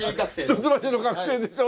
一橋の学生でしょ？